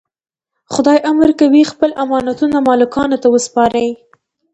خدای امر کوي خپل امانتونه مالکانو ته وسپارئ.